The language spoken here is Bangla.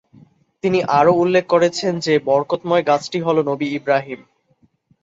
তিনি আরো উল্লেখ করেছেন যে, বরকতময় গাছটি হল নবি ইব্রাহিম।